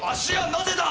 なぜだ？